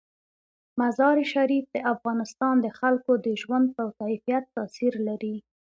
مزارشریف د افغانستان د خلکو د ژوند په کیفیت تاثیر لري.